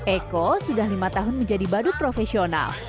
eko sudah lima tahun menjadi badut profesional